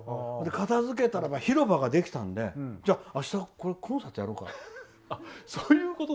片付けたらば、広場ができたのでじゃあ、あしたここでコンサートやろうかって。